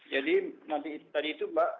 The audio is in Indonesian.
jadi nanti tadi itu mbak